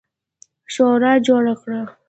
شورا جوړه کړه.